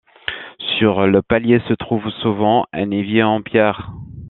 Sur le palier se trouve souvent un évier en pierre.